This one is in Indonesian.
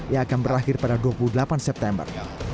yang akan berakhir pada dua puluh delapan september